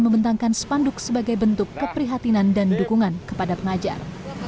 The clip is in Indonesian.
membentangkan spanduk sebagai bentuk keprihatinan dan dukungan kepada pengajar